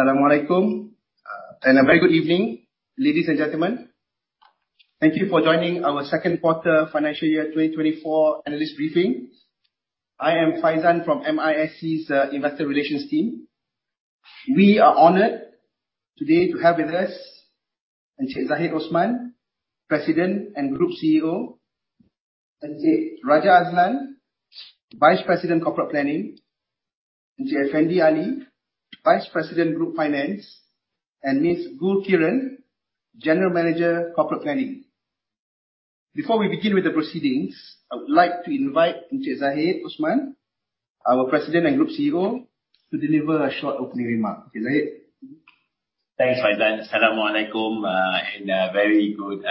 Assalamualaikum, and a very good evening, ladies and gentlemen. Thank you for joining our second quarter financial year 2024 analyst briefing. I am Faizaan from MISC Investor Relations team. We are honored today to have with us Encik Zahid Osman, President and Group CEO, Encik Raja Azlan, Vice President Corporate Planning, Encik Effendy Ali, Vice President Group Finance, and Ms. Gul Kiran, General Manager Corporate Planning. Before we begin with the proceedings, I would like to invite Encik Zahid Osman, our President and Group CEO, to deliver a short opening remark. Encik Zahid. Thanks, Faizaan. Assalamualaikum, and a very good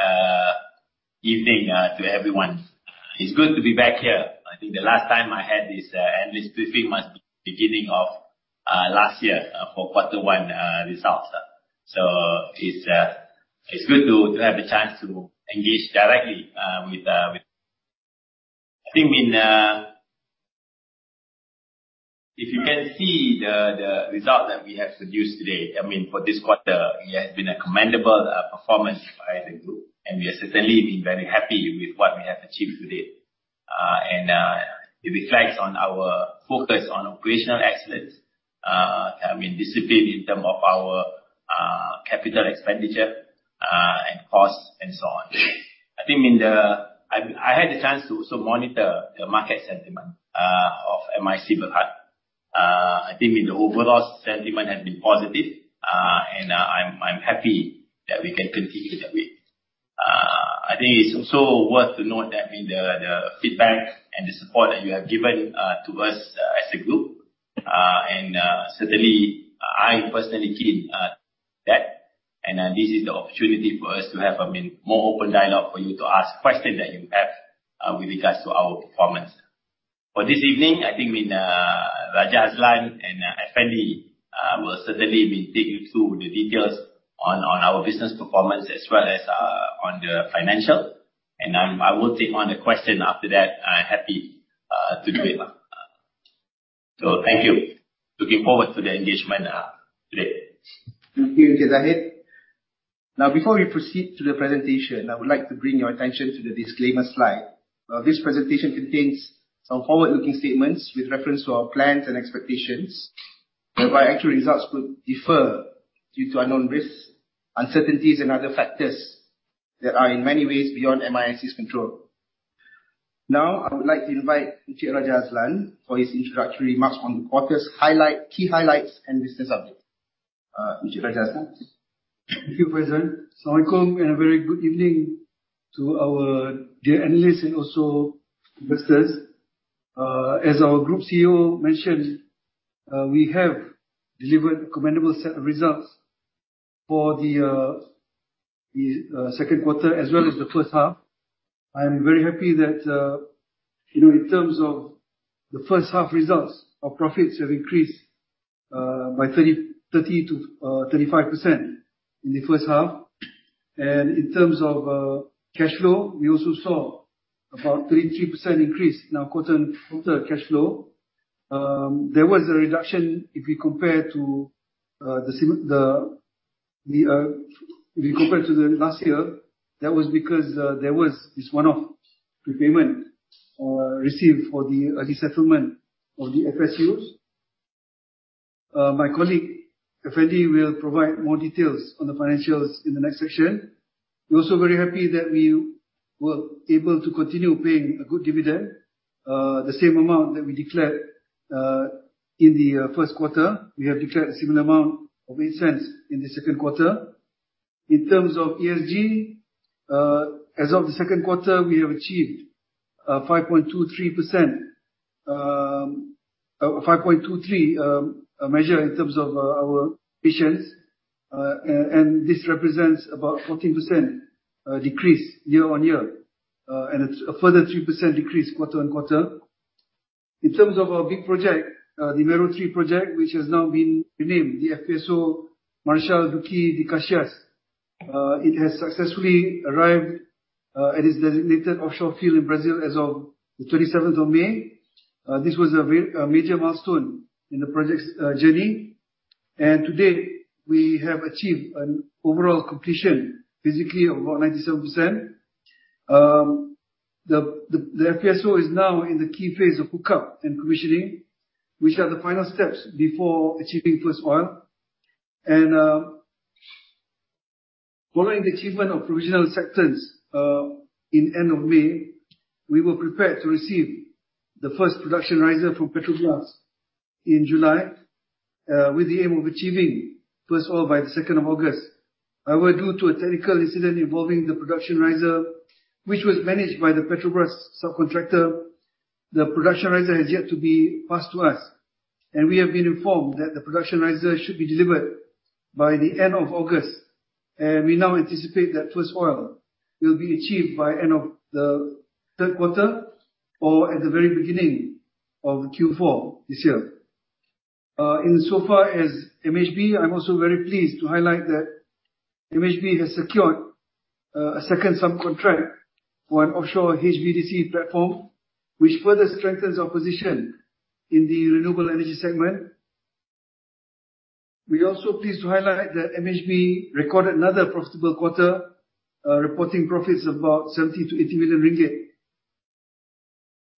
evening to everyone. It's good to be back here. I think the last time I had this analyst briefing must be the beginning of last year for quarter one results. It's good to have the chance to engage directly. If you can see the result that we have produced today, for this quarter, it has been a commendable performance by the group, and we have certainly been very happy with what we have achieved today. It reflects on our focus on operational excellence. I mean, discipline in terms of our capital expenditure, and cost and so on. I had the chance to also monitor the market sentiment of MISC Berhad. I think the overall sentiment has been positive, and I'm happy that we can continue that way. I think it's also worth to note that the feedback and the support that you have given to us as a group, and certainly, I'm personally keen. This is the opportunity for us to have more open dialogue for you to ask questions that you have with regards to our performance. For this evening, I think Raja Azlan and Effendy will certainly take you through the details on our business performance as well as on the financial. I will take on the question after that. Happy to do it. Thank you. Looking forward to the engagement today. Thank you, Encik Zahid. Before we proceed to the presentation, I would like to bring your attention to the disclaimer slide. This presentation contains some forward-looking statements with reference to our plans and expectations whereby actual results could differ due to unknown risks, uncertainties and other factors that are in many ways beyond MISC's control. I would like to invite Encik Raja Azlan for his introductory remarks on the quarter's key highlights and business update. Encik Raja Azlan. Thank you, Faizan. Assalamualaikum, and a very good evening to our dear analysts and also investors. As our group CEO mentioned, we have delivered commendable set of results for the second quarter as well as the first half. I am very happy that in terms of the first half results, our profits have increased by 30%-35% in the first half. In terms of cash flow, we also saw about a 33% increase in our quarter-on-quarter cash flow. There was a reduction if you compare to the last year. That was because there was this one-off prepayment received for the early settlement of the FSU. My colleague, Afendy, will provide more details on the financials in the next section. We're also very happy that we were able to continue paying a good dividend, the same amount that we declared in the first quarter. We have declared a similar amount of MYR 0.08 in the second quarter. In terms of ESG, as of the second quarter, we have achieved 5.23 measure in terms of our emissions. This represents about 14% decrease year-on-year, a further 3% decrease quarter-on-quarter. In terms of our big project, the Mero 3 project, which has now been renamed the FPSO Marechal Duque de Caxias. It has successfully arrived at its designated offshore field in Brazil as of the 27th of May. This was a major milestone in the project's journey. To date, we have achieved an overall completion physically of about 97%. The FPSO is now in the key phase of hookup and commissioning, which are the final steps before achieving first oil. Following the achievement of provisional acceptance in end of May, we were prepared to receive the first production riser from Petrobras in July, with the aim of achieving first oil by the 2nd of August. However, due to a technical incident involving the production riser, which was managed by the Petrobras subcontractor, the production riser has yet to be passed to us. We have been informed that the production riser should be delivered by the end of August. We now anticipate that first oil will be achieved by end of the third quarter or at the very beginning of Q4 this year. In so far as MHB, I'm also very pleased to highlight that MHB has secured a second subcontract for an offshore HVDC platform, which further strengthens our position in the renewable energy segment. We also are pleased to highlight that MHB recorded another profitable quarter, reporting profits of about 70 million-80 million ringgit.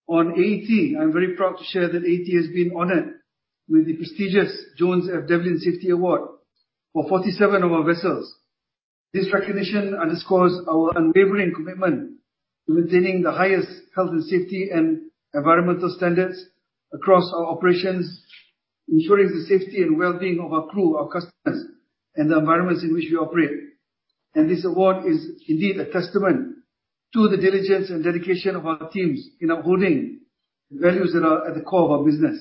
On AET, I'm very proud to share that AET has been honored with the prestigious Jones F. Devlin Safety Award for 47 of our vessels. This recognition underscores our unwavering commitment to maintaining the highest health and safety and environmental standards across our operations, ensuring the safety and well-being of our crew, our customers, and the environments in which we operate. This award is indeed a testament to the diligence and dedication of our teams in upholding the values that are at the core of our business.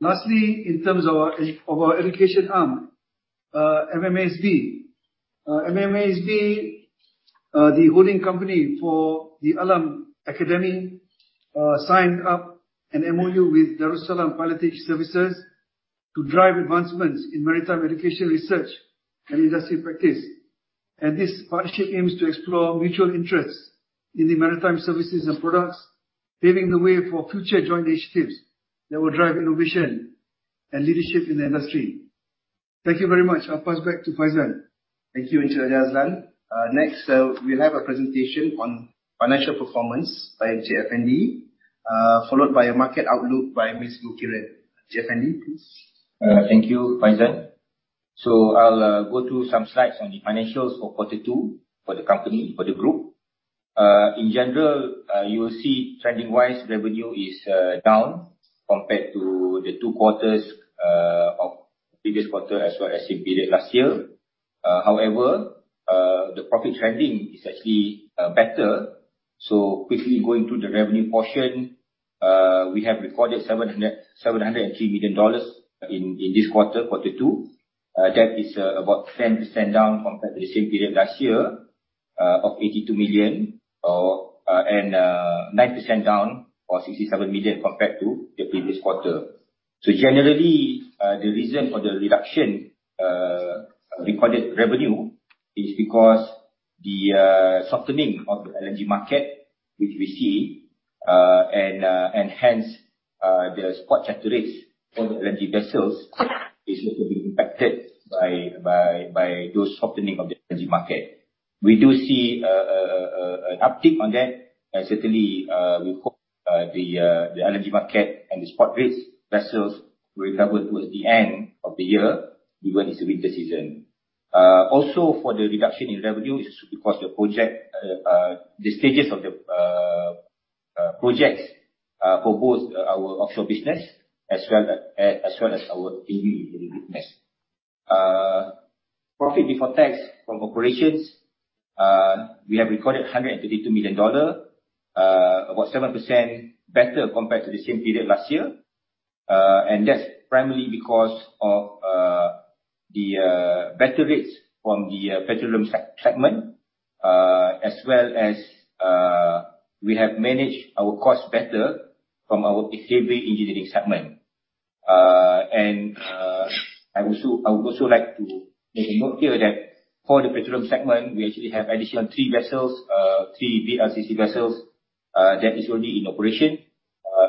Lastly, in terms of our education arm, MMSB. MMSB, the holding company for the ALAM Academy, signed up an MOU with Darussalam Maritime Services to drive advancements in maritime education research and industry practice. This partnership aims to explore mutual interests in the maritime services and products, paving the way for future joint initiatives that will drive innovation and leadership in the industry. Thank you very much. I'll pass back to Faizal. Thank you, Encik Azlan. Next, we'll have a presentation on financial performance by Encik Effendy, followed by a market outlook by Miss Gul Kiran. Encik Effendy, please. Thank you, Faizal. I'll go through some slides on the financials for quarter two for the company, for the group. In general, you will see trending-wise, revenue is down compared to the two quarters of the previous quarter as well as the same period last year. However, the profit trending is actually better. Quickly going through the revenue portion. We have recorded $703 million in this quarter two. That is about 10% down compared to the same period last year of $82 million and 9% down or $67 million compared to the previous quarter. Generally, the reason for the reduction recorded revenue is because the softening of the LNG market, which we see, and hence, the spot charter rates for the LNG vessels is also being impacted by those softening of the LNG market. We do see an uptick on that. Certainly, we hope the LNG market and the spot rates vessels recover towards the end of the year during the winter season. For the reduction in revenue is because the stages of the projects for both our offshore business as well as our heavy engineering business. Profit before tax from operations. We have recorded $132 million, about 7% better compared to the same period last year. That's primarily because of the better rates from the petroleum segment as well as we have managed our cost better from our heavy engineering segment. I would also like to make a note here that for the petroleum segment, we actually have additional 3 vessels, 3 VLCC vessels that is already in operation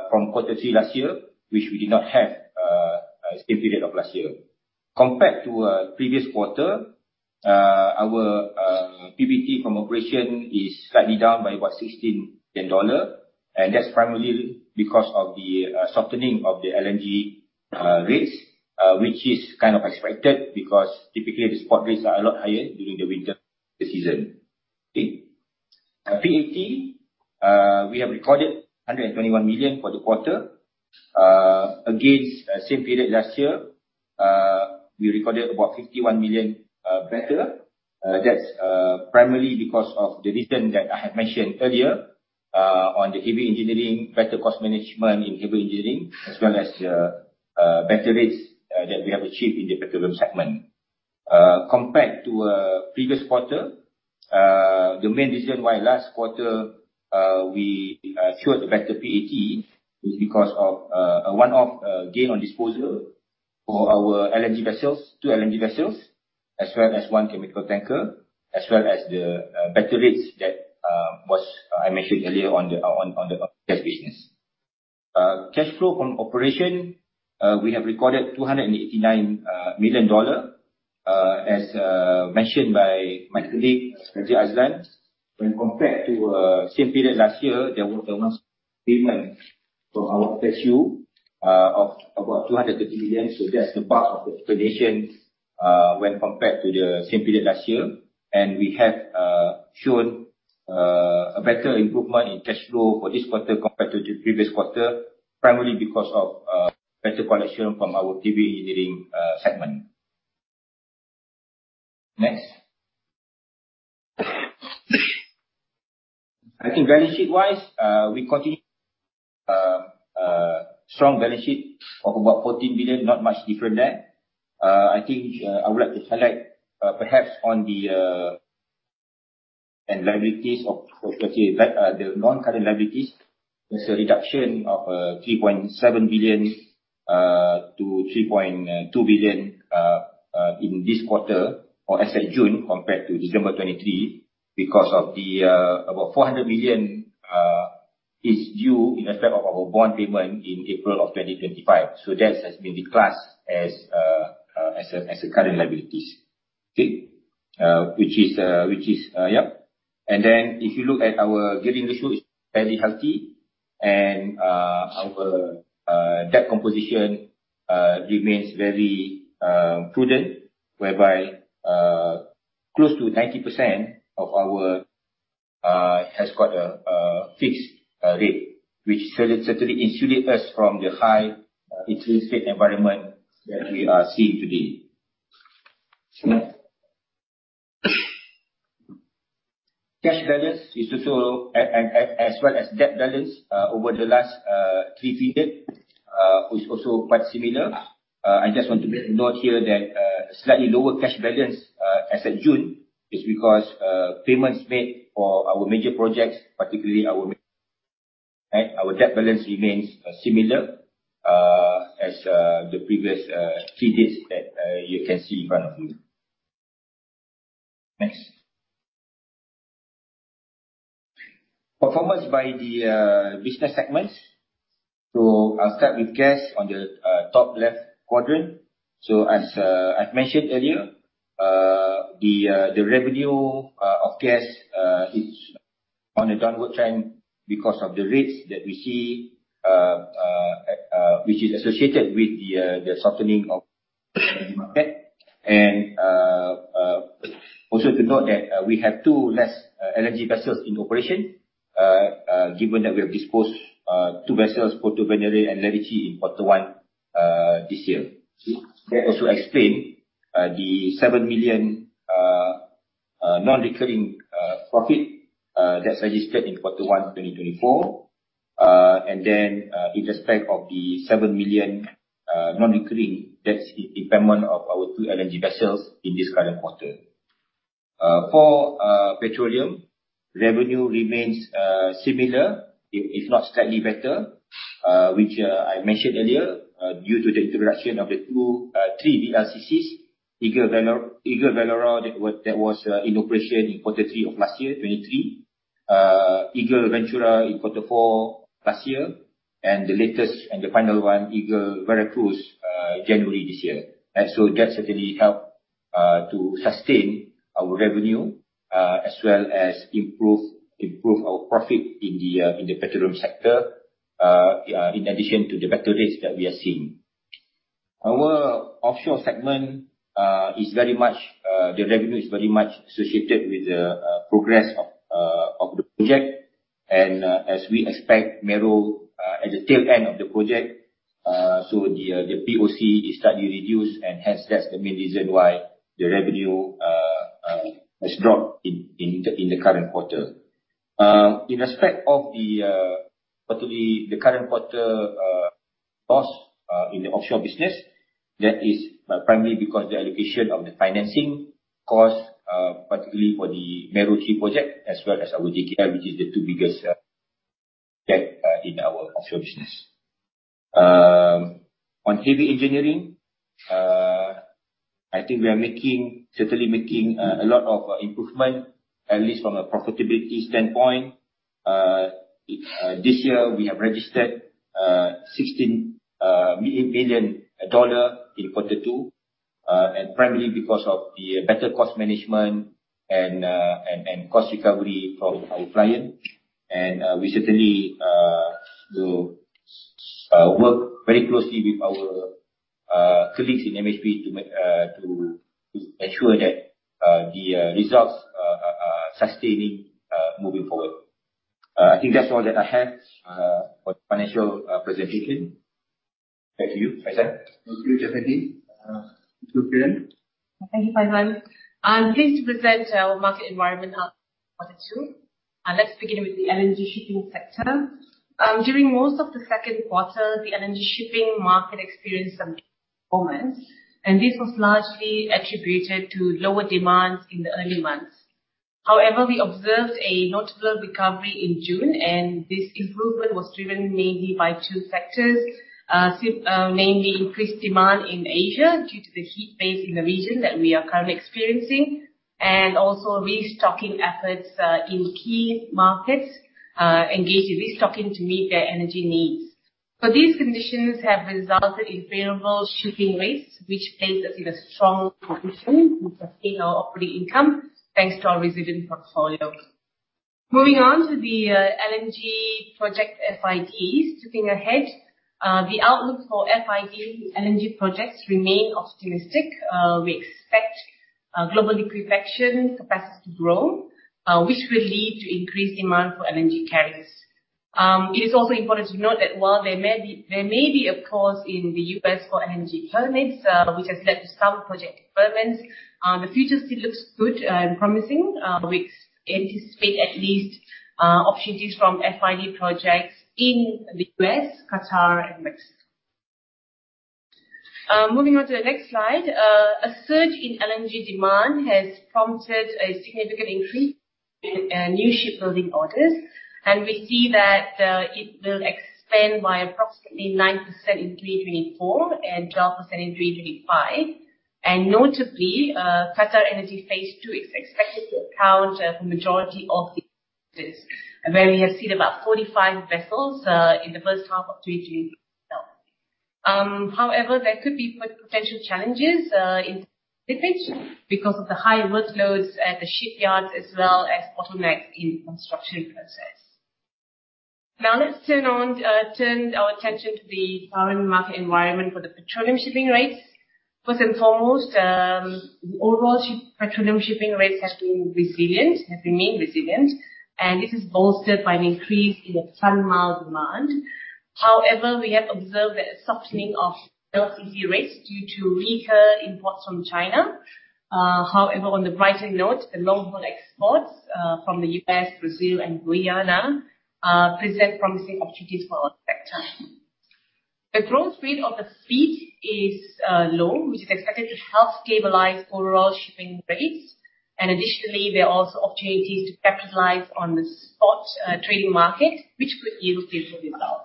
from quarter three last year, which we did not have same period of last year. Compared to previous quarter, our PBT from operation is slightly down by about MYR 16 million, that's primarily because of the softening of the LNG rates which is kind of expected, because typically the spot rates are a lot higher during the winter season. Okay. PAT, we have recorded 121 million for the quarter. Against same period last year, we recorded about 51 million better. That's primarily because of the reason that I have mentioned earlier on the Heavy Engineering, better cost management in Heavy Engineering, as well as better rates that we have achieved in the petroleum segment. Compared to previous quarter, the main reason why last quarter we showed better PAT is because of a one-off gain on disposal for our LNG vessels, two LNG vessels, as well as one chemical tanker, as well as the better rates that I mentioned earlier on the Gas business. Cash flow from operation. We have recorded MYR 289 million. As mentioned by my colleague, Encik Azlan, when compared to same period last year, there was almost payment for our PSU of about 230 million. That's the part of the explanation when compared to the same period last year. We have shown a better improvement in cash flow for this quarter compared to the previous quarter, primarily because of better collection from our Heavy Engineering segment. Next. I think balance sheet wise, we continue strong balance sheet of about 14 billion. Not much different there. I think I would like to highlight perhaps on the- Liabilities of, particularly the non-current liabilities, there's a reduction of 3.7 billion to 3.2 billion in this quarter or as at June compared to December 2023 because of about 400 million is due in respect of our bond payment in April 2025. That has been declassed as a current liabilities. Okay. Which is Yeah. If you look at our gearing ratio, it's fairly healthy and our debt composition remains very prudent, whereby close to 90% has got a fixed rate, which certainly insulate us from the high interest rate environment that we are seeing today. Next. Cash balance is to show as well as debt balance over the last three periods, which is also quite similar. I just want to note here that slightly lower cash balance as at June is because payments made for our major projects, particularly our. Our debt balance remains similar as the previous three dates that you can see in front of you. Next. Performance by the business segments. I'll start with Gas on the top left quadrant. As I've mentioned earlier, the revenue of Gas is on a downward trend because of the rates that we see, which is associated with the softening of the market. Also to note that we have two less LNG vessels in operation, given that we have disposed two vessels, Portovenere and Lerici, in quarter one this year. That also explain the 7 million non-recurring profit that registered in quarter one, 2024. In respect of the 7 million non-recurring, that's the impairment of our two LNG vessels in this current quarter. For petroleum, revenue remains similar, if not slightly better, which I mentioned earlier, due to the integration of the three VLCCs, Eagle Vellore, that was in operation in quarter three of last year, 2023. Eagle Ventura in quarter four last year. The latest and the final one, Eagle Veracruz, January this year. That certainly help to sustain our revenue, as well as improve our profit in the petroleum sector, in addition to the better rates that we are seeing. Our offshore segment, the revenue is very much associated with the progress of the project. As we expect Mero at the tail end of the project, the POC is slightly reduced, and hence that's the main reason why the revenue has dropped in the current quarter. In respect of the, quarterly, the current quarter loss in the offshore business, that is primarily because the allocation of the financing cost, particularly for the Mero 3 project as well as our GKL, which is the two biggest debt in our offshore business. On heavy engineering, I think we are certainly making a lot of improvement, at least from a profitability standpoint. This year we have registered MYR 16 million in quarter two, primarily because of the better cost management and cost recovery from our client. We certainly will work very closely with our colleagues in MHB to ensure that the results are sustaining moving forward. I think that's all that I have for the financial presentation. Back to you, Faizaan. Thank you, Jeffrey. To Priyan. Thank you, Faizaan. I'm pleased to present our market environment update for quarter two. Let's begin with the LNG shipping sector. During most of the second quarter, the LNG shipping market experienced some performance. This was largely attributed to lower demands in the early months. However, we observed a notable recovery in June. This improvement was driven mainly by two factors. Mainly increased demand in Asia due to the heat phase in the region that we are currently experiencing, and also restocking efforts in key markets engaged in restocking to meet their energy needs. These conditions have resulted in favorable shipping rates, which place us in a strong position to sustain our operating income thanks to our resilient portfolio. Moving on to the LNG project FIDs. Looking ahead, the outlook for FID LNG projects remain optimistic. We expect global liquefaction capacity to grow, which will lead to increased demand for LNG carriers. It is also important to note that while there may be a pause in the U.S. for LNG permits, which has led to some project deferments, the future still looks good and promising. We anticipate at least opportunities from FID projects in the U.S., Qatar, and Mexico. Moving on to the next slide. A surge in LNG demand has prompted a significant increase in new shipbuilding orders, and we see that it will expand by approximately 9% in 2024 and 12% in 2025. Notably, QatarEnergy Phase 2 is expected to account for the majority of the business where we have seen about 45 vessels in the first half of 2024. There could be potential challenges in delivery because of the high workloads at the shipyards as well as bottlenecks in the construction process. Let's turn our attention to the current market environment for the petroleum shipping rates. First and foremost, the overall petroleum shipping rates has remained resilient, and this is bolstered by an increase in the ton-mile demand. We have observed a softening of VLCC rates due to weaker imports from China. On the brighter note, the long-haul exports from the U.S., Brazil, and Guyana present promising opportunities for our sector. The growth rate of the fleet is low, which is expected to help stabilize overall shipping rates. Additionally, there are also opportunities to capitalize on the spot trading market, which could yield favorable results.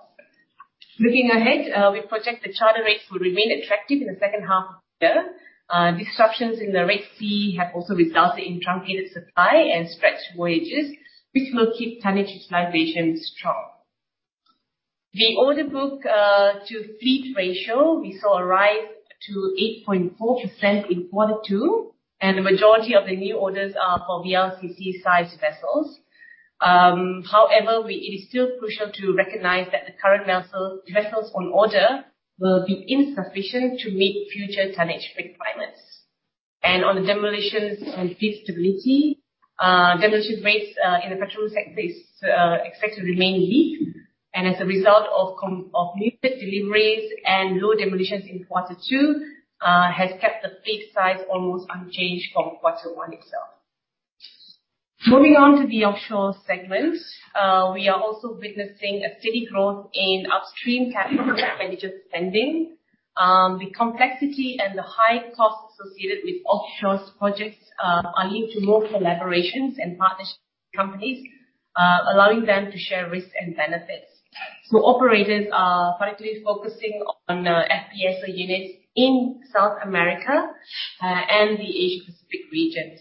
Looking ahead, we project the charter rates will remain attractive in the second half of the year. Disruptions in the Red Sea have also resulted in truncated supply and stretched voyages, which will keep tonnage utilization strong. The order book to fleet ratio, we saw a rise to 8.4% in quarter two, and the majority of the new orders are for VLCC-sized vessels. It is still crucial to recognize that the current vessels on order will be insufficient to meet future tonnage requirements. On the demolitions and fleet stability, demolitions rates in the petroleum sector is expected to remain weak. As a result of new deliveries and low demolitions in quarter two, has kept the fleet size almost unchanged from quarter one itself. Moving on to the offshore segment. We are also witnessing a steady growth in upstream capital expenditure spending. The complexity and the high costs associated with offshore projects are leading to more collaborations and partnerships with companies, allowing them to share risks and benefits. Operators are particularly focusing on FPSO units in South America and the Asia Pacific regions.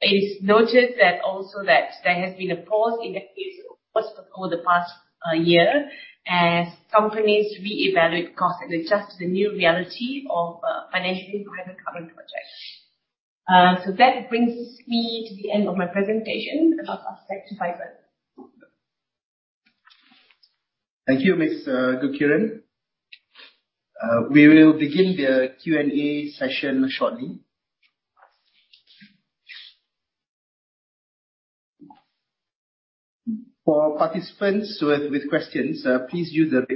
It is noticed also that there has been a pause in the FPSO over the past year as companies reevaluate costs and adjust to the new reality of financially driven current projects. That brings me to the end of my presentation about our sector vibrant. Thank you, Ms. Gul Kiran. We will begin the Q&A session shortly. For participants with questions, please use the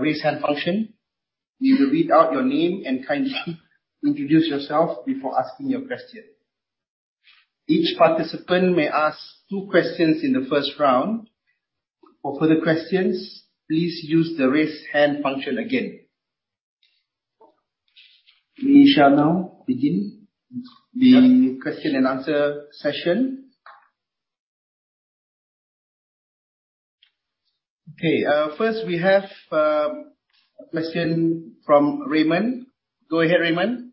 Raise Hand function. You will read out your name and kindly introduce yourself before asking your question. Each participant may ask two questions in the first round. For further questions, please use the Raise Hand function again. We shall now begin the question and answer session. Okay. First we have a question from Raymond. Go ahead, Raymond.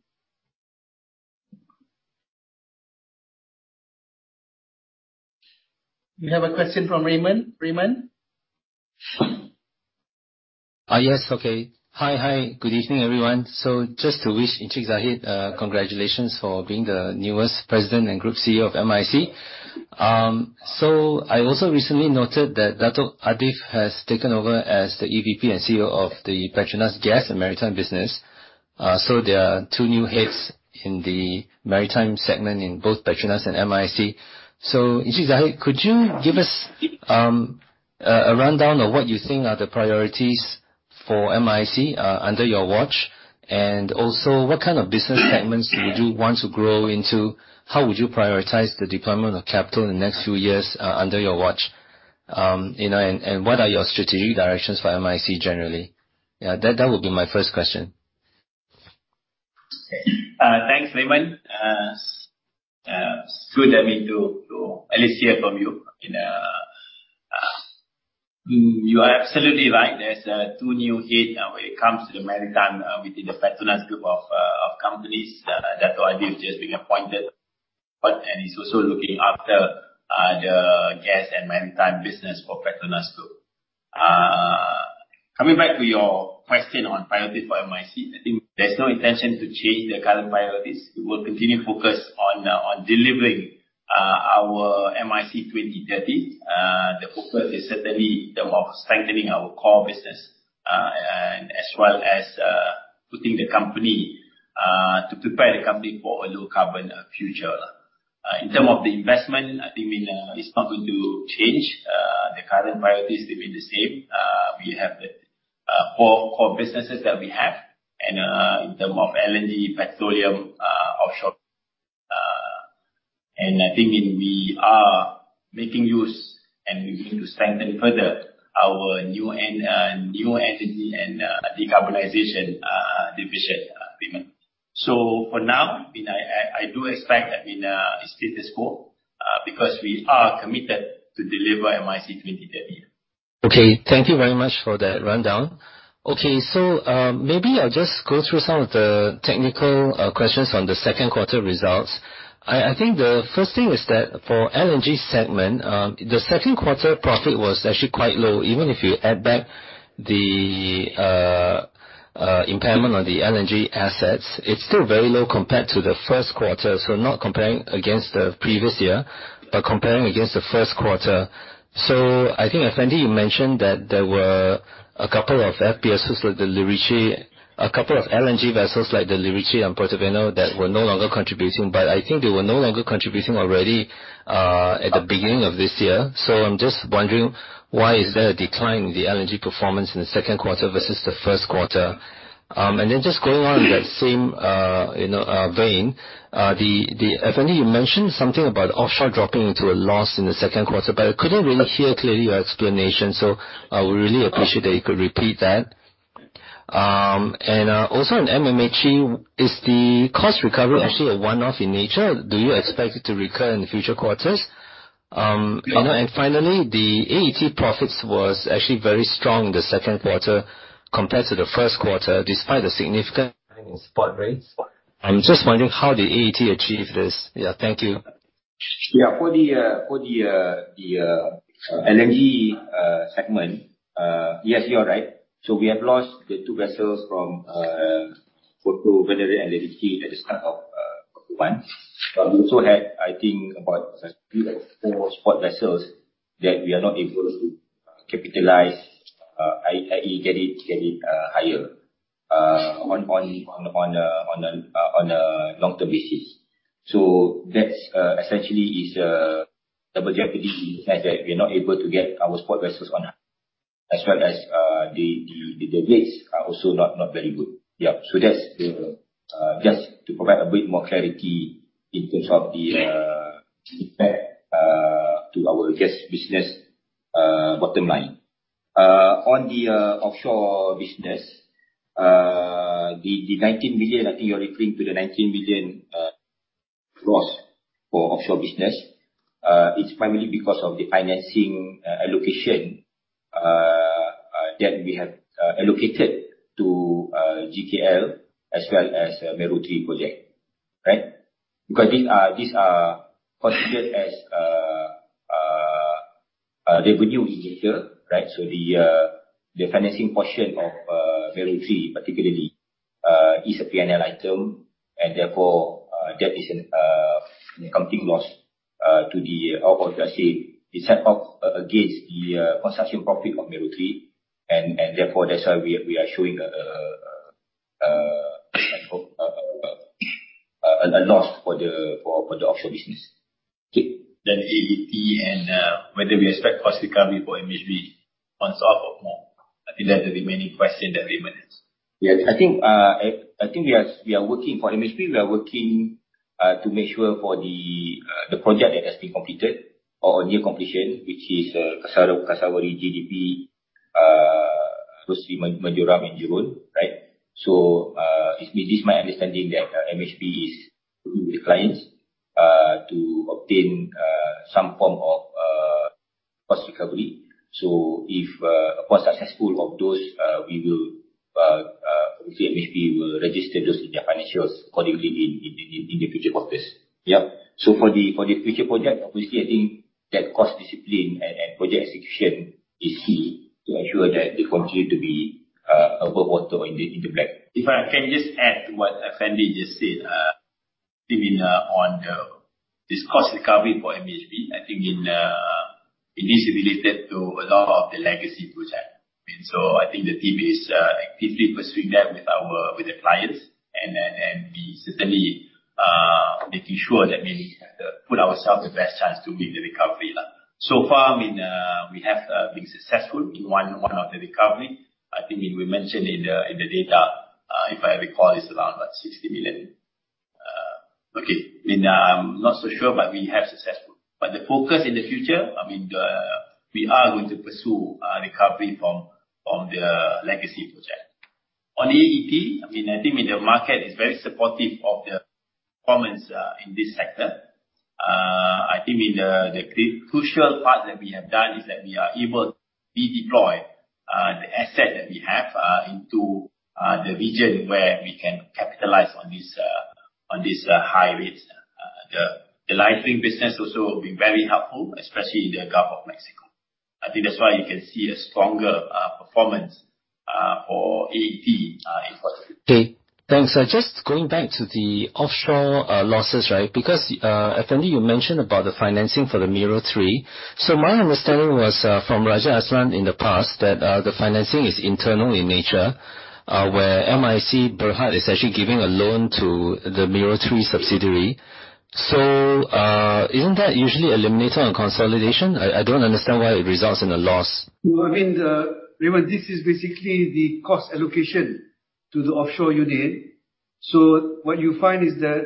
We have a question from Raymond. Raymond? Yes. Okay. Hi. Good evening, everyone. Just to wish Encik Zahid congratulations for being the newest President and Group CEO of MISC. I also recently noted that Dato Arif has taken over as the EVP and CEO of the Petronas Gas and Maritime business. There are two new heads in the maritime segment in both Petronas and MISC. Encik Zahid, could you give us a rundown of what you think are the priorities for MISC under your watch? What kind of business segments would you want to grow into? How would you prioritize the deployment of capital in the next few years under your watch? What are your strategic directions for MISC generally? That would be my first question. Thanks, Raymond. It's good that we do at least hear from you. You are absolutely right. There's two new head when it comes to the maritime within the Petronas group of companies. Dato Arif just being appointed, and he's also looking after the Gas and Maritime business for Petronas too. Coming back to your question on priority for MISC, I think there's no intention to change the current priorities. We will continue focus on delivering our MISC 2030. The focus is certainly about strengthening our core business, as well as to prepare the company for a low-carbon future. In term of the investment, I think it's not going to change. The current priorities remain the same. We have the four core businesses that we have. In term of LNG. I think we are making use and we're going to strengthen further our New Energy and Decarbonization Division agreement. For now, I do expect that it's still the scope because we are committed to deliver MISC 2030. Okay. Thank you very much for that rundown. Okay. Maybe I'll just go through some of the technical questions on the second quarter results. I think the first thing is that for LNG segment, the second quarter profit was actually quite low. Even if you add back the impairment on the LNG assets, it's still very low compared to the first quarter. Not comparing against the previous year, but comparing against the first quarter. I think, Effendy, you mentioned that there were a couple of FPSOs like the Lerici, a couple of LNG vessels like the Lerici and Portovenere that were no longer contributing. I think they were no longer contributing already at the beginning of this year. I'm just wondering why is there a decline in the LNG performance in the second quarter versus the first quarter? Just going on that same vein, Effendy, you mentioned something about offshore dropping into a loss in the second quarter, but I couldn't really hear clearly your explanation, so I would really appreciate that you could repeat that. Also on MMHE, is the cost recovery actually a one-off in nature? Do you expect it to recur in the future quarters? Finally, the AET profits was actually very strong in the second quarter compared to the first quarter, despite the significant decline in spot rates. I'm just wondering how did AET achieve this. Yeah. Thank you. For the LNG segment, yes, you're right. We have lost the two vessels from Portovenere and Lerici at the start of quarter one. We also had, I think, about three or four spot vessels that we are not able to capitalize, i.e. get it higher on a long-term basis. That essentially is a double jeopardy in the sense that we are not able to get our spot vessels on as well as the day rates are also not very good. That's just to provide a bit more clarity in terms of the impact to our gas business bottom line. On the offshore business, the 19 million, I think you're referring to the 19 million loss for offshore business. It's primarily because of the financing allocation that we have allocated to GKL as well as the Mero 3 project. Right? Because these are considered as revenue in nature, right? The financing portion of Mero 3 particularly is a P&L item, and therefore, that is an accounting loss to the, how can I say, the set off against the consumption profit of Mero 3. Therefore, that's why we are showing a loss for the offshore business. Okay. AET and whether we expect cost recovery for MHB on top of more. I think that the remaining question that remains. Yes. I think for MHB, we are working to make sure for the project that has been completed or on near completion, which is Kasawari, GDP, Marjoram, and Jabon, right? It is my understanding that MHB is with the clients to obtain some form of cost recovery. If upon successful of those, obviously MHB will register those in their financials accordingly in the future quarters. Yep. For the future project, obviously, I think that cost discipline and project execution is key to ensure that they continue to be above water or indeed in the black. If I can just add to what Effendy just said on this cost recovery for MHB. I think it is related to a lot of the legacy projects. I think the team is actively pursuing that with the clients, and we certainly making sure that we put ourselves the best chance to make the recovery. So far, we have been successful in one of the recovery. I think we mentioned in the data, if I recall, it's around about 60 million. Okay. I'm not so sure, but we have successful. The focus in the future, we are going to pursue recovery from the legacy project. On AET, I think the market is very supportive of the performance in this sector. I think the crucial part that we have done is that we are able to redeploy the asset that we have into the region where we can capitalize on these high rates. The lightering business also will be very helpful, especially in the Gulf of Mexico. I think that's why you can see a stronger performance for AET in quarter two. Okay, thanks. Going back to the offshore losses, right? Afendy, you mentioned about the financing for the Mero 3. My understanding was from Raja Azlan in the past that the financing is internal in nature, where MISC Berhad is actually giving a loan to the Mero 3 subsidiary. Isn't that usually eliminated on consolidation? I don't understand why it results in a loss. I mean, Raymond, this is basically the cost allocation to the offshore unit. What you find is that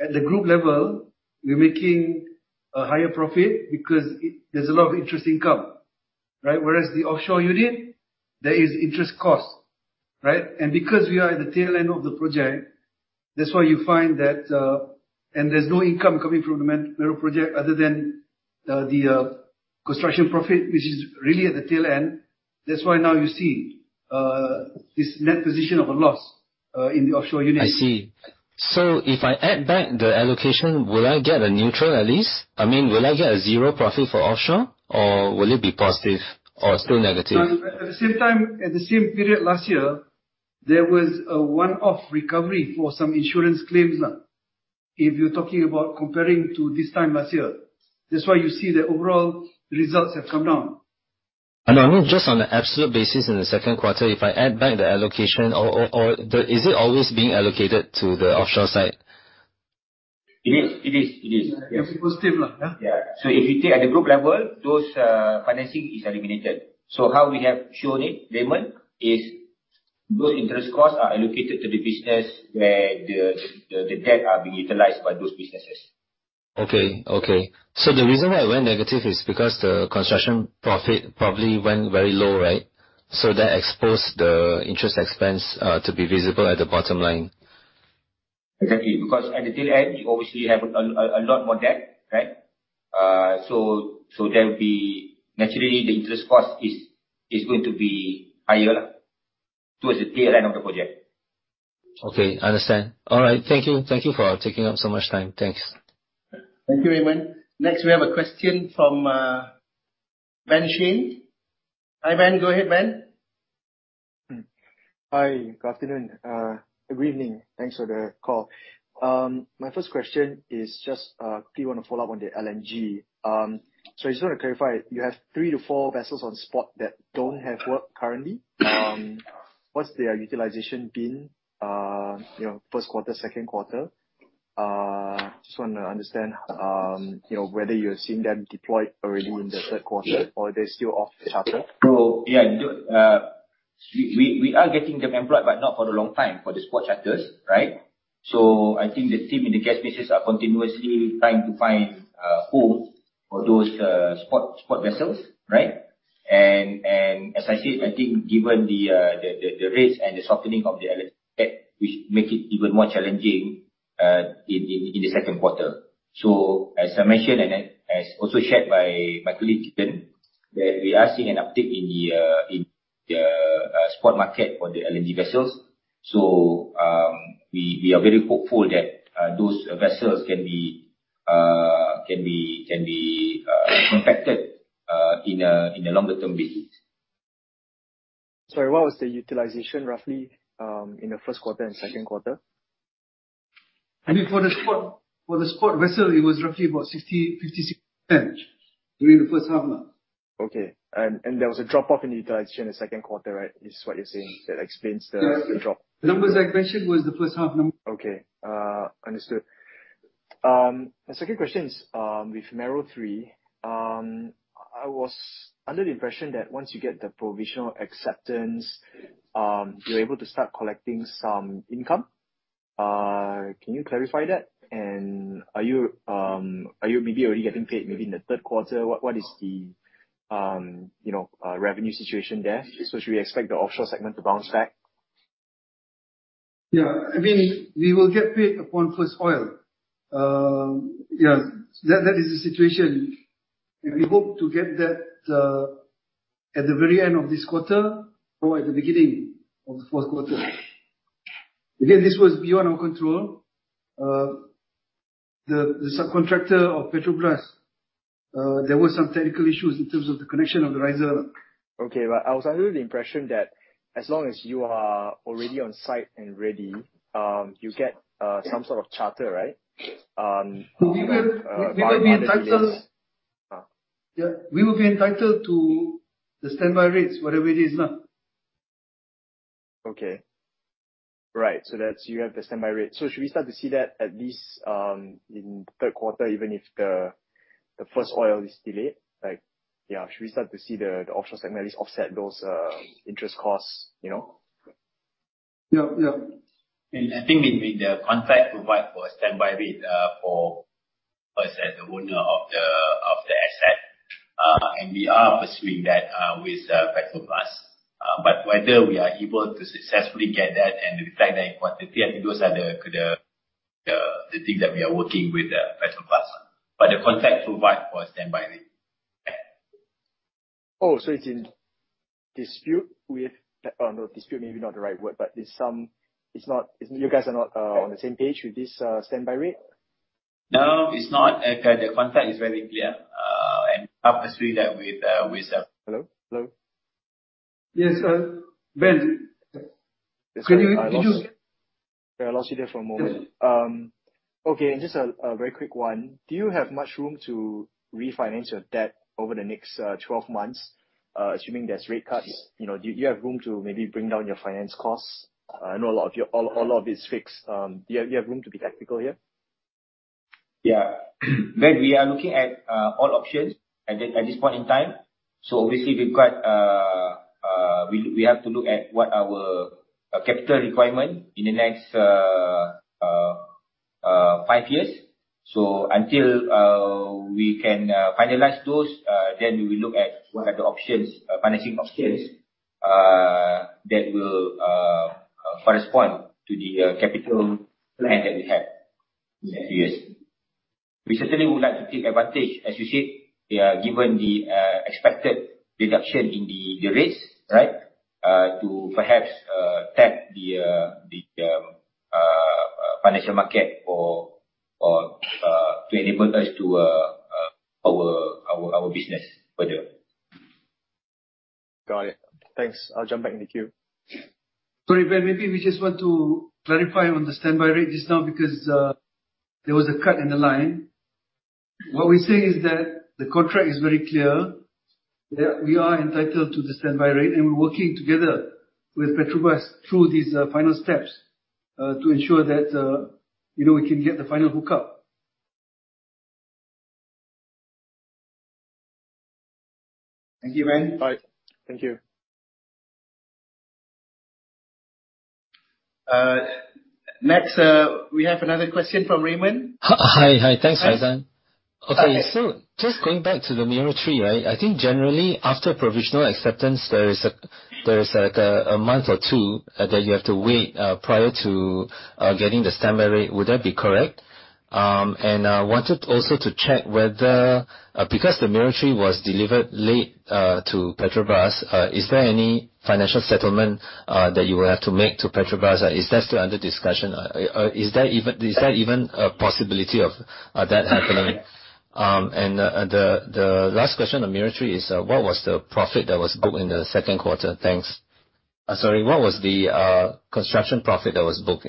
at the group level, we're making a higher profit because there's a lot of interest income. Whereas the offshore unit, there is interest cost. Because we are at the tail end of the project, that's why you find that there's no income coming from the Mero project other than the construction profit, which is really at the tail end. That's why now you see this net position of a loss in the offshore unit. I see. If I add back the allocation, will I get a neutral at least? Will I get a zero profit for offshore or will it be positive or still negative? At the same period last year, there was a one-off recovery for some insurance claims. If you're talking about comparing to this time last year. That's why you see the overall results have come down. I know. Just on the absolute basis in the second quarter, if I add back the allocation or is it always being allocated to the offshore side? It is. It will be positive. Yeah. If you take at the group level, those financing is eliminated. How we have shown it, Damon, is those interest costs are allocated to the business where the debt are being utilized by those businesses. Okay. The reason why it went negative is because the construction profit probably went very low, right? That exposed the interest expense to be visible at the bottom line. Exactly. At the tail end, you obviously have a lot more debt. There will be, naturally, the interest cost is going to be higher towards the tail end of the project. Okay, understand. All right. Thank you for taking up so much time. Thanks. Thank you, Damon. Next, we have a question from Ben Shane. Hi, Ben. Go ahead, Ben. Hi, good afternoon. Good evening. Thanks for the call. My first question is just quickly want to follow up on the LNG. I just want to clarify, you have 3-4 vessels on spot that don't have work currently? What's their utilization been, first quarter, second quarter? Just want to understand whether you're seeing them deployed already in the third quarter or are they still off the charter? Yeah, we are getting them employed, but not for the long time for the spot charters. I think the team in the gas business are continuously trying to find homes for those spot vessels. As I said, I think given the rates and the softening of the LNG debt, which make it even more challenging in the second quarter. As I mentioned, and as also shared by my colleague, Titian, that we are seeing an uptick in the spot market for the LNG vessels. We are very hopeful that those vessels can be compacted in a longer-term basis. Sorry, what was the utilization roughly in the first quarter and second quarter? I mean, for the spot vessel, it was roughly about 60%, 56% during the first half. Okay. There was a drop-off in utilization in the second quarter, is what you're saying that explains the drop? Numbers I mentioned was the first half number. Okay. Understood. My second question is with Mero 3. I was under the impression that once you get the provisional acceptance, you're able to start collecting some income. Can you clarify that? Are you maybe already getting paid maybe in the third quarter? What is the revenue situation there? Should we expect the offshore segment to bounce back? Yeah. We will get paid upon first oil. Yeah, that is the situation, and we hope to get that at the very end of this quarter or at the beginning of the fourth quarter. Again, this was beyond our control. The subcontractor of Petrobras, there were some technical issues in terms of the connection of the riser. Okay. I was under the impression that as long as you are already on site and ready, you get some sort of charter. We will be entitled to the standby rates, whatever it is. Okay. Right. That's, you have the standby rate. Should we start to see that at least in the third quarter, even if the first oil is delayed? Should we start to see the offshore segment at least offset those interest costs? Yeah. I think the contract provide for a standby rate for us as the owner of the asset. We are pursuing that with Petrobras. Whether we are able to successfully get that and reflect that in quantity, I think those are the things that we are working with Petrobras. The contract provide for a standby rate. Oh, it's in dispute. Dispute maybe not the right word, but you guys are not on the same page with this standby rate? No, it's not. The contract is very clear, and purposely that. Hello? Yes, Ben. Can you hear me, Titian? Yeah, I lost you there for a moment. Yeah. Just a very quick one. Do you have much room to refinance your debt over the next 12 months, assuming there's rate cuts? Do you have room to maybe bring down your finance costs? I know a lot of it is fixed. Do you have room to be tactical here? Yeah. Ben, we are looking at all options at this point in time. Obviously, we have to look at what our capital requirement in the next five years. Until we can finalize those, we will look at what are the financing options that will correspond to the capital plan that we have in the next few years. We certainly would like to take advantage, as you said, given the expected reduction in the rates, to perhaps tap the financial market to enable us to our business further. Got it. Thanks. I'll jump back in the queue. Sorry, Ben. Maybe we just want to clarify on the standby rate just now because there was a cut in the line. What we're saying is that the contract is very clear that we are entitled to the standby rate, and we're working together with Petrobras through these final steps to ensure that we can get the final hookup. Thank you, Ben. All right. Thank you. Next, we have another question from Raymond. Hi. Thanks, Haizan. Just going back to the Mero 3. I think generally after provisional acceptance, there is a month or two that you have to wait prior to getting the standby rate. Would that be correct? I wanted also to check whether, because the Mero 3 was delivered late to Petrobras, is there any financial settlement that you will have to make to Petrobras? Is that still under discussion? Is that even a possibility of that happening? The last question on Mero 3 is what was the profit that was booked in the second quarter? Thanks. Sorry, what was the construction profit that was booked?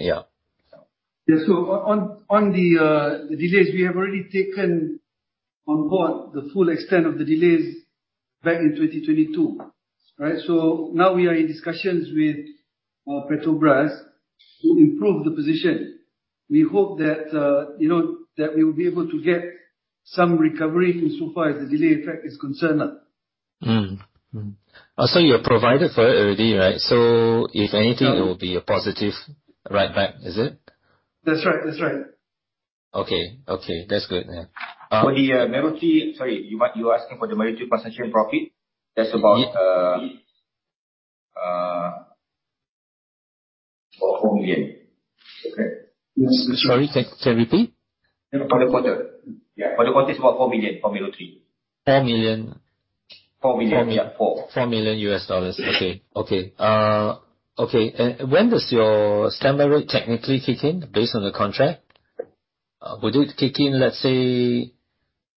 On the delays, we have already taken on board the full extent of the delays back in 2022. Now we are in discussions with Petrobras to improve the position. We hope that we will be able to get some recovery from so far as the delay effect is concerned. You have provided for it already, right? If anything, it will be a positive write back, is it? That's right. Okay. That's good then. Sorry, you are asking for the Mero 3 percentage profit? That's about $4 million. Okay. Sorry, can you repeat? For the quarter. Yeah, for the quarter, it's about 4 million for Mero 3. 4 million. 4 million. Yeah, MYR four. $4 million US dollars. Okay. When does your standby rate technically kick in based on the contract? Would it kick in, let's say,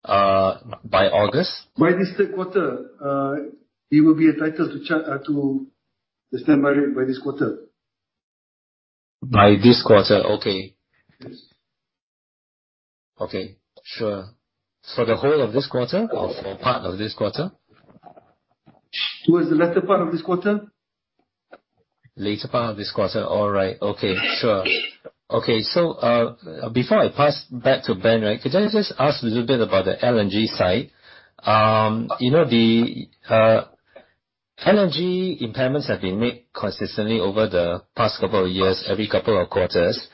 by August? By this third quarter. It will be entitled to the standby rate by this quarter. By this quarter. Okay. Yes. Okay. Sure. For the whole of this quarter or for part of this quarter? Towards the latter part of this quarter. Latter part of this quarter. All right. Okay. Sure. Okay. Before I pass back to Ben, could I just ask a little bit about the LNG side? LNG impairments have been made consistently over the past couple of years, every couple of quarters.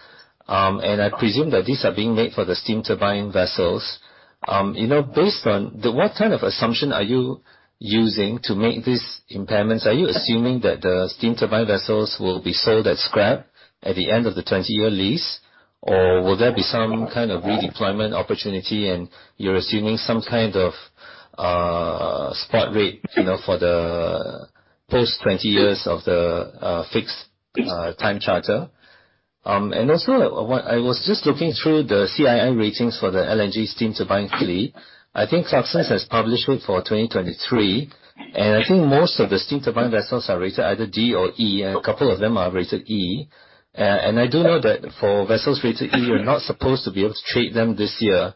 I presume that these are being made for the steam turbine vessels. Based on what kind of assumption are you using to make these impairments? Are you assuming that the steam turbine vessels will be sold as scrap at the end of the 20-year lease? Or will there be some kind of redeployment opportunity and you're assuming some kind of spot rate for the post 20 years of the fixed time charter? Also, I was just looking through the CII ratings for the LNG steam turbine fleet. I think Success has published it for 2023, I think most of the steam turbine vessels are rated either D or E, a couple of them are rated E. I do know that for vessels rated E, you're not supposed to be able to trade them this year.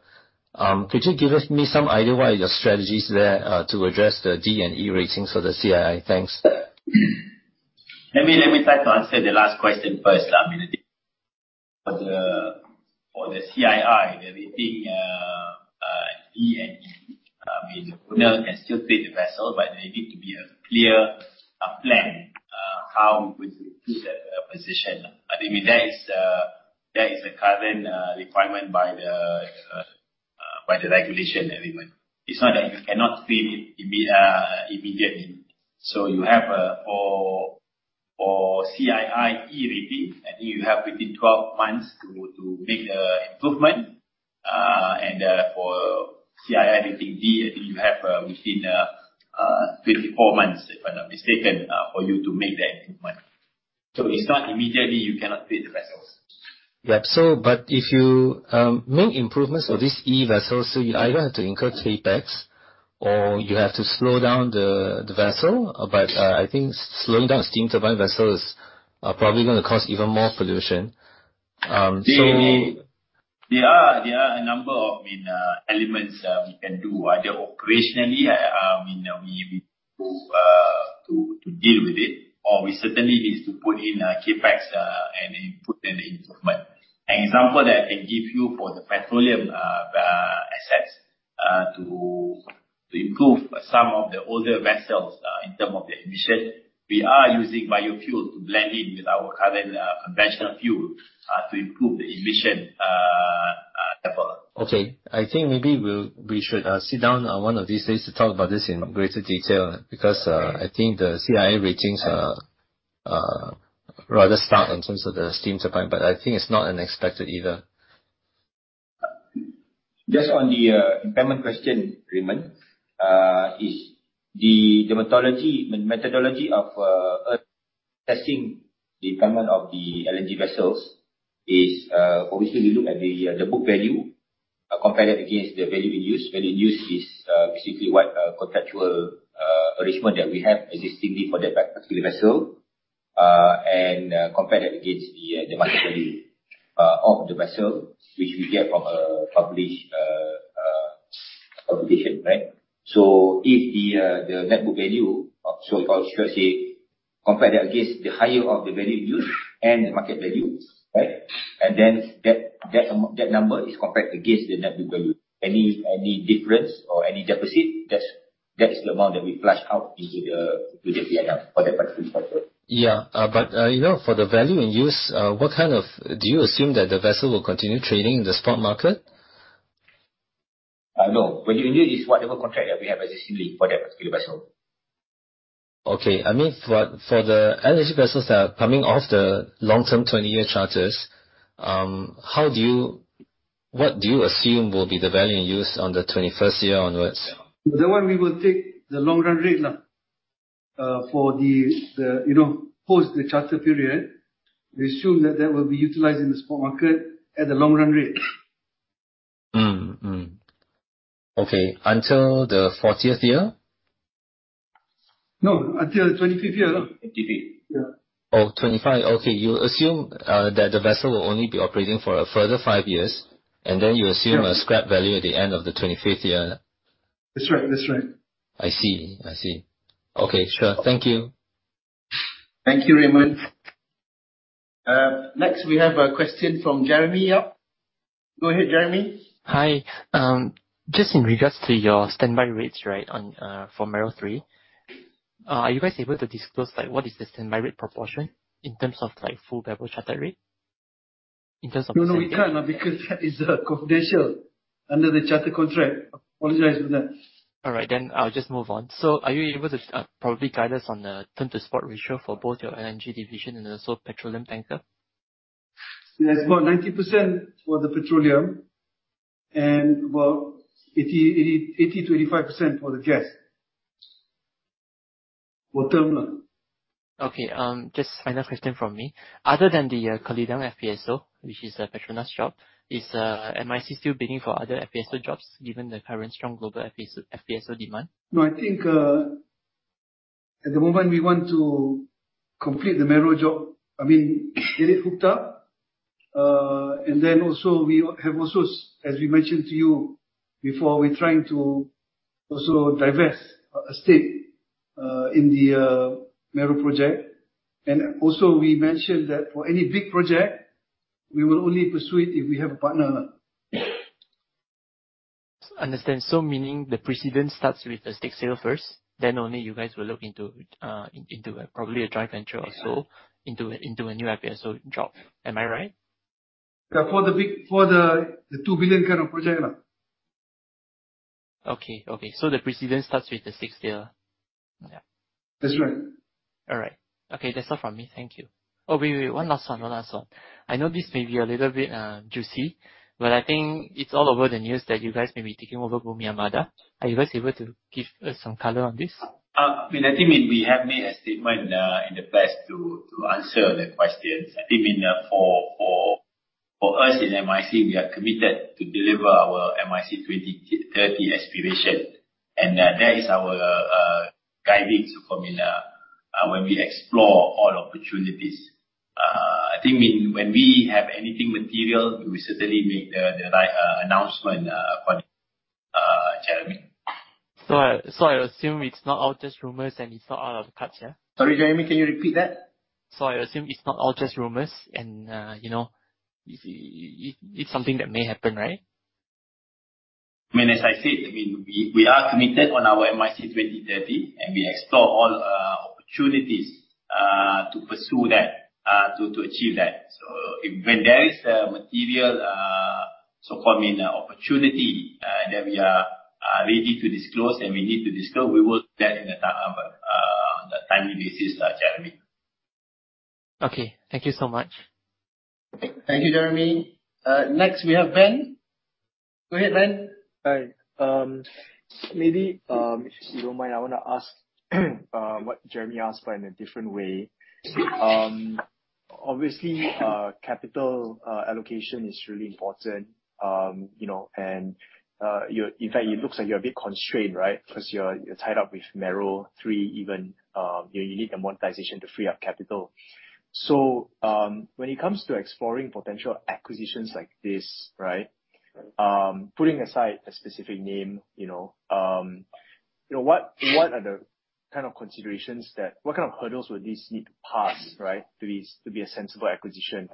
Could you give me some idea what are your strategies there to address the D and E ratings for the CII? Thanks. Let me try to answer the last question first. For the CII, the rating E and D, the owner can still treat the vessel, there needs to be a clear plan how we could improve that position. That is the current requirement by the regulation. It's not that you cannot treat it immediately. For CII E ratings, I think you have within 12 months to make the improvement. For CII rating D, I think you have within 24 months, if I'm not mistaken, for you to make that improvement. It's not immediately you cannot treat the vessels. Yep. If you make improvements of this E vessel, so you either have to incur paybacks or you have to slow down the vessel. I think slowing down steam turbine vessels are probably going to cause even more pollution. There are a number of elements we can do either operationally, to deal with it, or we certainly need to put in CapEx and input an improvement. An example that I can give you for the petroleum assets to improve some of the older vessels in terms of the emission, we are using biofuel to blend in with our current conventional fuel to improve the emission level. Okay. I think maybe we should sit down on one of these days to talk about this in greater detail. I think the CII ratings are rather stark in terms of the steam turbine, it's not unexpected either. Just on the impairment question, Raymond. The methodology of assessing the impairment of the LNG vessels is, obviously we look at the book value, compare that against the value in use. Value in use is specifically what contractual arrangement that we have existingly for that particular vessel, and compare that against the market value of the vessel, which we get from a published publication, right? If the net book value, so if I should say, compare that against the higher of the value in use and the market value, right? Then that number is compared against the net book value. Any difference or any deficit, that is the amount that we flush out into the P&L for that particular vessel. Yeah. For the value in use, do you assume that the vessel will continue trading in the spot market? No. Value in use is whatever contract that we have existing for that particular vessel. Okay. For the LNG vessels that are coming off the long-term 20-year charters, what do you assume will be the value in use on the 21st year onwards? That one we will take the long-run rate. Post the charter period, we assume that that will be utilized in the spot market at the long-run rate. Okay. Until the 40th year? No, until the 25th year. 25. Yeah. Oh, 25. Okay. You assume that the vessel will only be operating for a further five years. Yeah a scrap value at the end of the 25th year. That's right. I see. Okay, sure. Thank you. Thank you, Raymond. Next, we have a question from Jeremy Yap. Go ahead, Jeremy. Hi. Just in regards to your standby rates for Mero 3. Are you guys able to disclose what is the standby rate proportion in terms of full double charter rate? No, we can't because that is confidential under the charter contract. Apologize for that. All right, I'll just move on. Are you able to probably guide us on the term to spot ratio for both your LNG division and also petroleum tanker? It's about 90% for the petroleum and about 80%-85% for the gas. For terminal. Okay. Just final question from me. Other than the Kelidang FPSO, which is a PETRONAS job, is MISC still bidding for other FPSO jobs given the current strong global FPSO demand? No. I think at the moment we want to complete the Mero job. Get it hooked up. Also, as we mentioned to you before, we're trying to also divest a stake in the Mero project. Also we mentioned that for any big project, we will only pursue it if we have a partner. Understand. Meaning the precedent starts with a stake sale first, then only you guys will look into probably a joint venture or so into a new FPSO job. Am I right? For the 2 billion kind of project. Okay. The precedent starts with the stake sale. Yeah. That's right. All right. Okay, that's all from me. Thank you. Oh, wait. One last one. I know this may be a little bit juicy, but I think it's all over the news that you guys may be taking over Bumi Armada. Are you guys able to give us some color on this? I think we have made a statement in the past to answer that question. I think for us in MISC, we are committed to deliver our MISC 2030 aspiration. That is our guidance when we explore all opportunities. I think when we have anything material, we will certainly make the right announcement for you, Jeremy. I assume it's not all just rumors and it's not out of the cards, yeah? Sorry, Jeremy Yap, can you repeat that? I assume it's not all just rumors and it's something that may happen, right? As I said, we are committed on our MISC 2030, and we explore all opportunities to pursue that, to achieve that. When there is a material opportunity that we are ready to disclose and we need to disclose, we will state that in a timely basis, Jeremy Yap. Okay. Thank you so much. Thank you, Jeremy. Next, we have Ben. Go ahead, Ben. Hi. Maybe, if you don't mind, I want to ask what Jeremy asked but in a different way. Obviously, capital allocation is really important. In fact, it looks like you're a bit constrained, right? Because you're tied up with Mero 3 even. You need the monetization to free up capital. When it comes to exploring potential acquisitions like this, putting aside a specific name, what are the kind of considerations that, what kind of hurdles would this need to pass to be a sensible acquisition?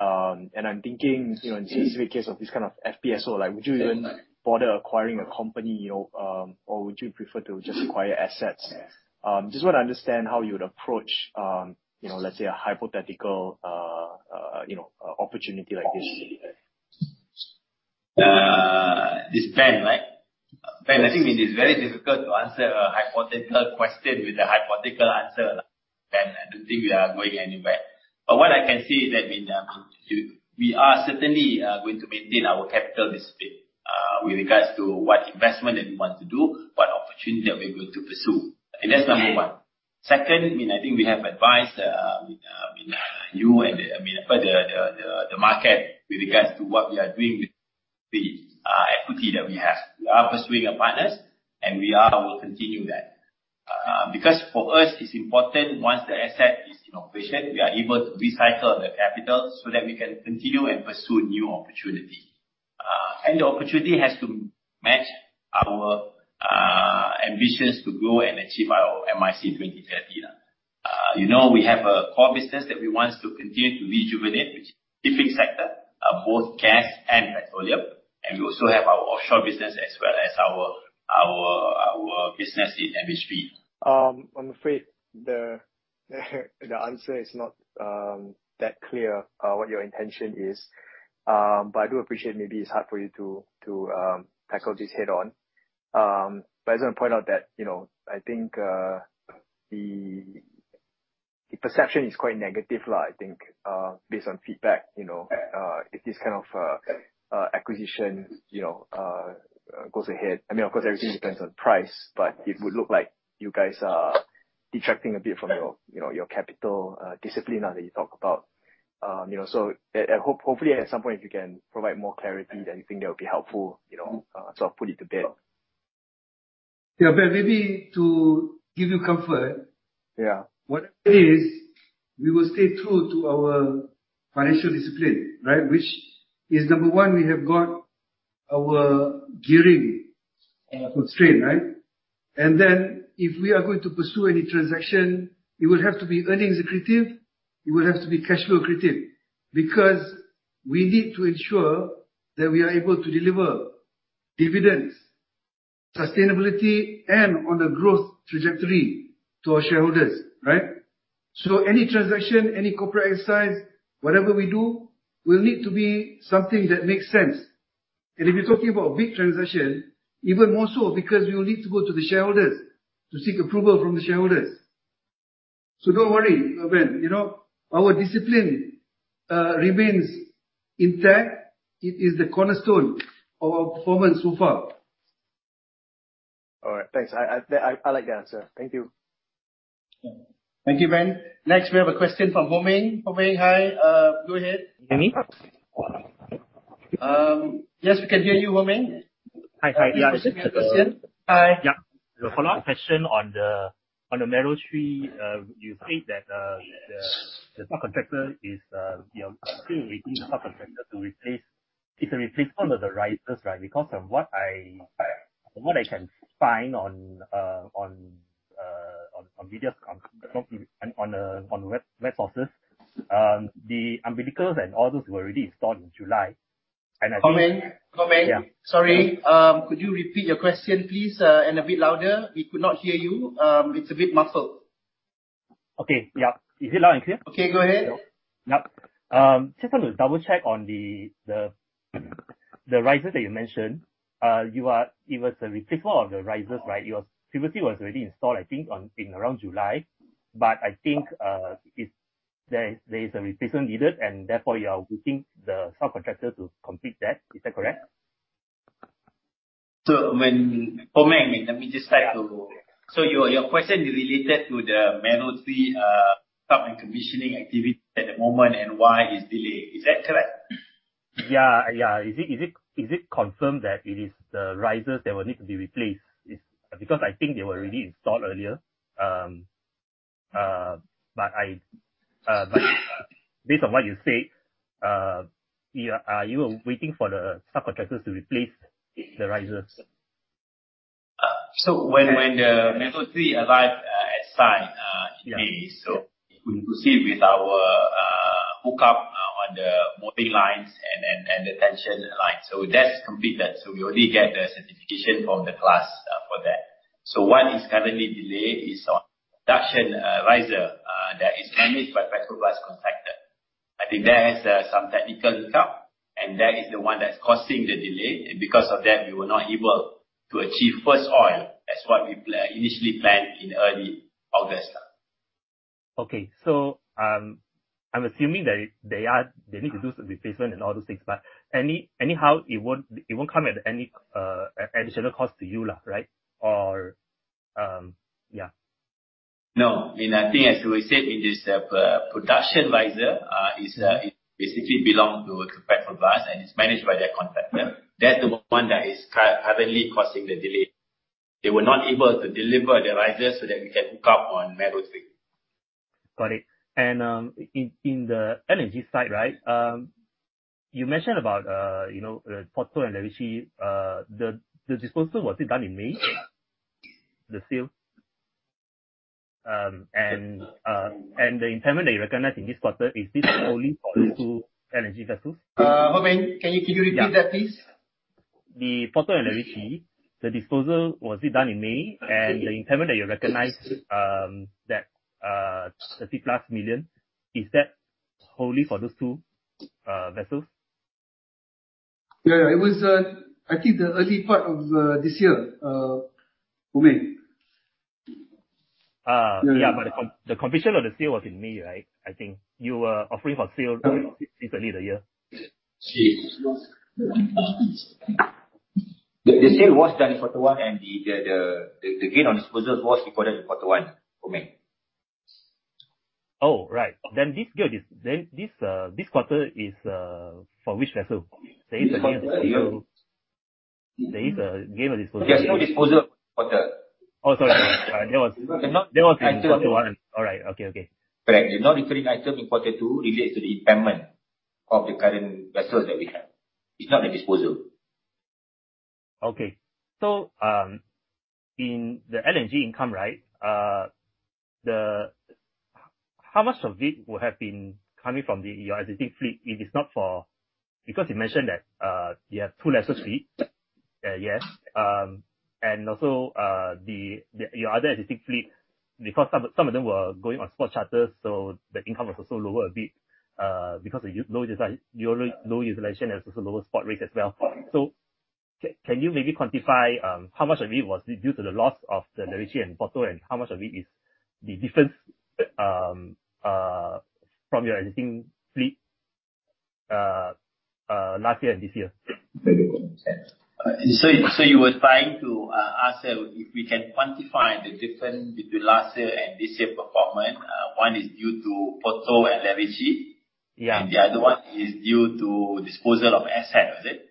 I'm thinking, in specific case of this kind of FPSO, would you even bother acquiring a company, or would you prefer to just acquire assets? Just want to understand how you would approach, let's say, a hypothetical opportunity like this. This Ben, right? Ben, I think it is very difficult to answer a hypothetical question with a hypothetical answer. I don't think we are going anywhere. What I can say is that we are certainly going to maintain our capital discipline with regards to what investment that we want to do, what opportunity that we're going to pursue. That's number one. Second, I think we have advised, you and the market with regards to what we are doing with the equity that we have. We are pursuing our partners, and we will continue that. For us, it's important once the asset is in operation, we are able to recycle the capital so that we can continue and pursue new opportunity. The opportunity has to match our ambitions to grow and achieve our MISC 2030. We have a core business that we want to continue to rejuvenate, which is different sector, both gas and petroleum. We also have our offshore business as well as our business in MSP. I'm afraid the answer is not that clear what your intention is. I do appreciate maybe it's hard for you to tackle this head-on. I just want to point out that, I think the perception is quite negative, I think, based on feedback. If this kind of acquisition goes ahead, of course everything depends on price, but it would look like you guys are detracting a bit from your capital discipline now that you talk about. Hopefully, at some point you can provide more clarity. I think that would be helpful, so I'll put it to bed. Yeah, Ben, maybe to give you comfort Yeah what it is, we will stay true to our financial discipline. Which is number one, we have got our gearing constraint. If we are going to pursue any transaction, it would have to be earnings accretive, it would have to be cash flow accretive because we need to ensure that we are able to deliver dividends, sustainability, and on a growth trajectory to our shareholders. Any transaction, any corporate exercise, whatever we do, will need to be something that makes sense. If you're talking about big transaction, even more so because we will need to go to the shareholders to seek approval from the shareholders. Don't worry, Ben. Our discipline remains intact. It is the cornerstone of our performance so far. All right. Thanks. I like the answer. Thank you. Thank you, Ben. Next, we have a question from Ho Meng. Ho Meng, hi. Go ahead. Can you hear me? Yes, we can hear you, Ho Meng. Hi. Yes. You have a question? Hi. Yeah. For last question on the Mero 3, you said that the subcontractor is still waiting for subcontractor to replace. It's a replacement of the risers, right? Because from what I can find on web sources, the umbilicals and all those were already installed in July. Ho Meng. Yeah. Sorry. Could you repeat your question, please, and a bit louder? We could not hear you. It's a bit muffled. Okay. Yeah. Is it loud and clear? Okay, go ahead. Yep. Just want to double-check on the riser that you mentioned. It was a replacement of the risers, right? It was previously already installed, I think in around July. I think there is a replacement needed, and therefore, you are waiting the subcontractor to complete that. Is that correct? When Ho Meng, let me just try to your question is related to the Mero 3 stop and commissioning activity at the moment, and why is delayed. Is that correct? Yeah. Is it confirmed that it is the risers that will need to be replaced? I think they were already installed earlier. Based on what you said, you are waiting for the subcontractors to replace the risers. When the Mero 3 arrive at site, we proceed with our hookup on the mooring lines and the tension line. That's completed. We already get the certification from the class for that. What is currently delayed is on production riser that is managed by Petrobras contractor. I think there is some technical account, and that is the one that's causing the delay. Because of that, we were not able to achieve first oil as what we initially planned in early August. Okay. I'm assuming that they need to do some replacement and all those things. Anyhow, it won't come at any additional cost to you, right? Or, yeah. No. I think as we said, it is the production riser, it basically belong to a Petrobras, and it's managed by their contractor. That's the one that is currently causing the delay. They were not able to deliver the risers so that we can hook up on Mero 3. Got it. In the LNG side, you mentioned about Porto and Lerici. The disposal, was it done in May? The sale. The impairment that you recognized in this quarter, is this solely for those two LNG vessels? Ho Meng, can you repeat that, please? The Porto and Lerici, the disposal, was it done in May? The impairment that you recognized, that 30-plus million, is that wholly for those two vessels? Yeah. It was, I think, the early part of this year. Ho Meng. Yeah. The completion of the sale was in May, right? I think you were offering for sale since early the year. The sale was done in quarter one, and the gain on disposals was recorded in quarter one for me. Oh, right. This quarter is for which vessel? There is a gain on disposal. There's no disposal quarter. Oh, sorry. That was in quarter one. All right. Okay. Correct. The non-recurring item in quarter two relates to the impairment of the current vessels that we have. It's not a disposal. Okay. In the LNG income, how much of it would have been coming from your existing fleet? Because you mentioned that you have two lesser fleet. Yes. Also, your other existing fleet, because some of them were going on spot charters, the income was also lower a bit because of low utilization and also lower spot rate as well. Can you maybe quantify how much of it was due to the loss of the Lerici and Porto, and how much of it is the difference from your existing fleet last year and this year? You are trying to ask if we can quantify the difference between last year and this year performance. One is due to Porto and Lerici. Yeah. The other one is due to disposal of asset, was it?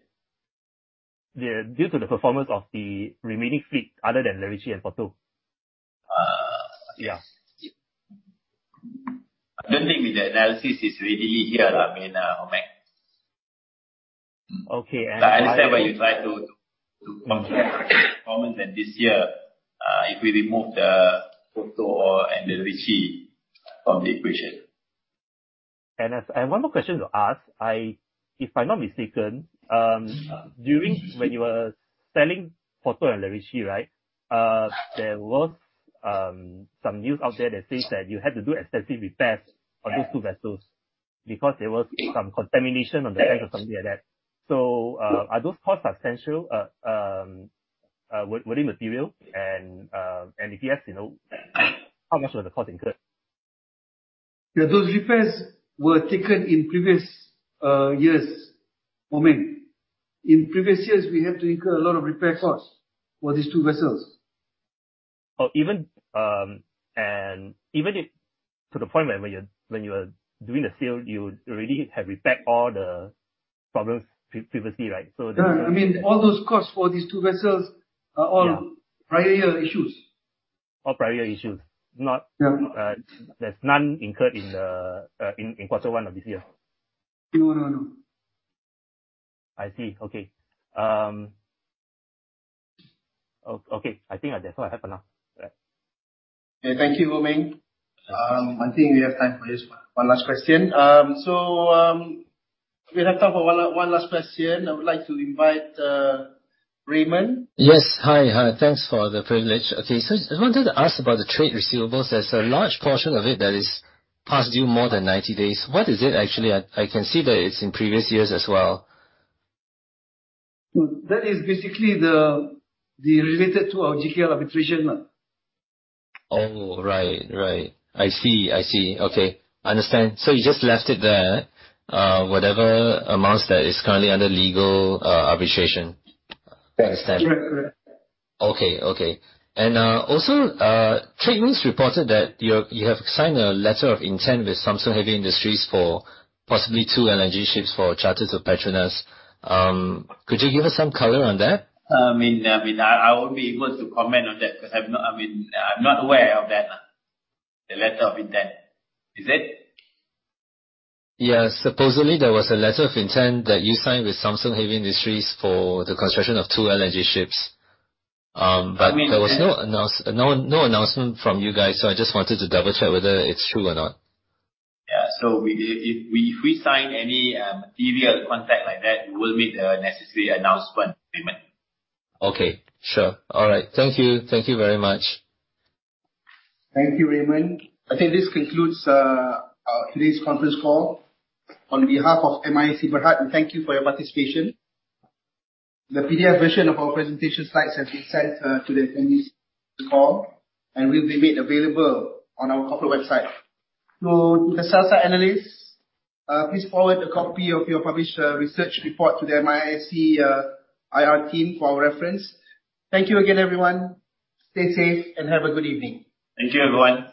Yeah. Due to the performance of the remaining fleet other than Lerici and Porto. Yeah. I don't think the analysis is really here, Ho Meng. Okay. I understand what you're trying to compare performance and this year, if we remove the Porto and the Lerici from the equation. I have one more question to ask. If I'm not mistaken, during when you were selling Porto and Lerici, there was some news out there that says that you had to do extensive repairs on those two vessels because there was some contamination on the tank or something like that. Are those costs substantial? Were they material? If yes, how much were the costs incurred? Yeah, those repairs were taken in previous years. Ho Meng. In previous years, we had to incur a lot of repair costs for these two vessels. Even if to the point when you are doing the sale, you already have repaired all the problems previously, right? Yeah. All those costs for these two vessels are all prior year issues. All prior year issues. Yeah. There's none incurred in quarter one of this year. No. I see. Okay. I think that's all I have for now. Okay. Thank you, Ho Meng. I think we have time for just one last question. We have time for one last question. I would like to invite Raymond. Yes. Hi. Thanks for the privilege. Okay. I wanted to ask about the trade receivables. There's a large portion of it that is past due more than 90 days. What is it actually? I can see that it's in previous years as well. That is basically related to our GKL arbitration. Oh, right. I see. Okay. Understand. You just left it there, whatever amounts that is currently under legal arbitration. Yes. Understand. Okay. Also, Trade News reported that you have signed a letter of intent with Samsung Heavy Industries for possibly two LNG ships for charters of Petronas. Could you give us some color on that? I mean, I won't be able to comment on that because I'm not aware of that, the letter of intent. Is it? Yeah. Supposedly, there was a letter of intent that you signed with Samsung Heavy Industries for the construction of two LNG ships. There was no announcement from you guys, I just wanted to double-check whether it's true or not. Yeah. If we sign any material contract like that, we will make the necessary announcement, Raymond. Okay. Sure. All right. Thank you very much. Thank you, Raymond. I think this concludes today's conference call. On behalf of MISC Berhad, we thank you for your participation. The PDF version of our presentation slides has been sent to the attendees of the call and will be made available on our corporate website. To the sell-side analysts, please forward a copy of your published research report to the MISC IR team for our reference. Thank you again, everyone. Stay safe and have a good evening. Thank you, everyone. Thank you.